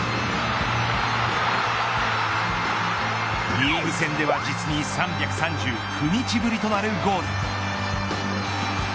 リーグ戦では実に３３９日ぶりとなるゴール。